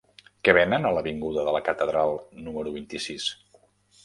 Què venen a l'avinguda de la Catedral número vint-i-sis?